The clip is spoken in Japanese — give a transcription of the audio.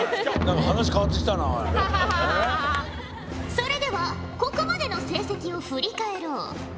それではここまでの成績を振り返ろう。